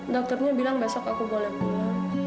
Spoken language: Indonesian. dokternya bilang besok aku boleh pulang